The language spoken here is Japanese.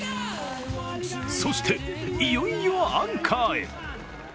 そして、いよいよアンカーへ。